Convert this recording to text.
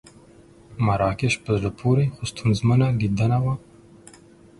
مراکش په زړه پورې خو ستونزمنه لیدنه وه.